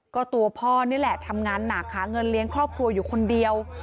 ก็ตัวพ่อนี่แหละทำงานหนักหาเงินเลี้ยงครอบครัวอยู่คนเดียว